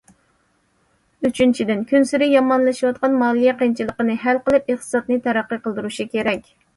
ئۈچىنچىدىن: كۈنسېرى يامانلىشىۋاتقان مالىيە قىيىنچىلىقىنى ھەل قىلىپ، ئىقتىسادنى تەرەققىي قىلدۇرۇشى كېرەك.